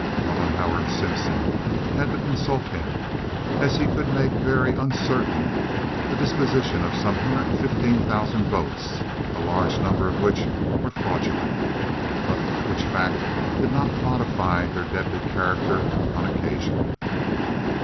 Mollenhauer and Simpson had to consult him, as he could make very uncertain the disposition of some hundred and fifteen thousand votes, a large number of which were fraudulent, but which fact did not modify their deadly character on occasion.